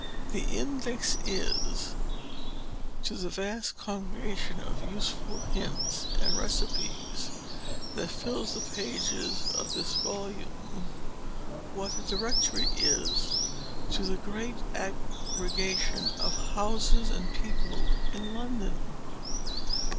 The INDEX is, to the vast congregation of useful hints and receipts that fill the pages of this volume, what the DIRECTORY is to the great aggregation of houses and people in London.